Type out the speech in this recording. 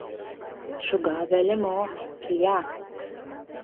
Шога веле мо — кия!